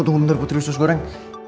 tunggu bentar putri wistus goreng